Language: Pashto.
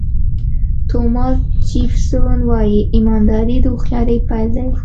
توماس جیفرسون وایي ایمانداري د هوښیارۍ پیل دی.